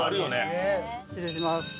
失礼します。